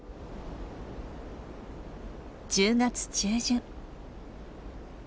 １０月中旬。